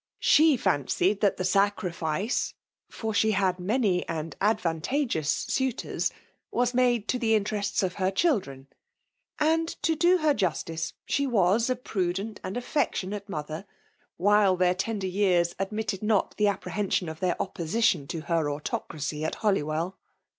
She fancied that the sacrifice (for ebe had many and advantagoous suitora) was made to the interests of her chfldren — ^and fodo her justice, ahe wets a prudent and affec« tkmate moAer—' while their tender years admit ted not €i€ apprehension of their opposition to Ijer miocTBej at Holywell.